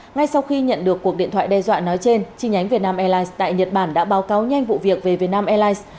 ngay sau khi nhận được cuộc điện thoại đe dọa nói trên chi nhánh vietnam airlines tại nhật bản đã báo cáo nhanh vụ việc về vietnam airlines